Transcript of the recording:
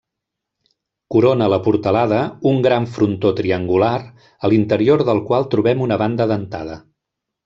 Corona la portalada un gran frontó triangular a l'interior del qual trobem una banda dentada.